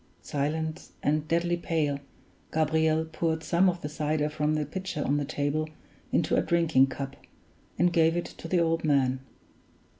Silent and deadly pale, Gabriel poured some of the cider from the pitcher on the table into a drinking cup, and gave it to the old man.